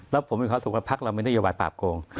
แล้วผมมีความรู้สึกว่าภักดิ์เราไม่ได้เยาวายปราบโกง